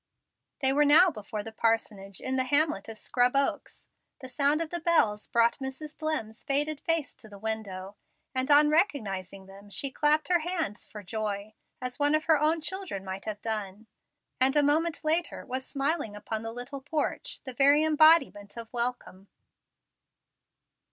They were now before the parsonage in the hamlet of Scrub Oaks. The sound of the bells brought Mrs. Dlimm's faded face to the window, and on recognizing them she clapped her hands for joy, as one of her own children might have done; and a moment later was smiling upon the little porch, the very embodiment of welcome.